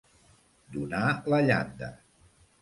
Donar la llanda.